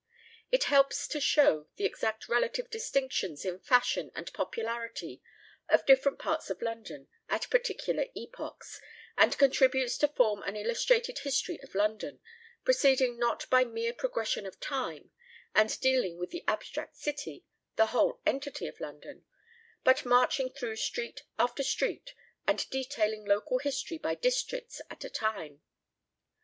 It helps also to show the exact relative distinctions in fashion and popularity of different parts of London at particular epochs, and contributes to form an illustrated history of London, proceeding not by mere progression of time, and dealing with the abstract city the whole entity of London but marching through street after street, and detailing local history by districts at a time.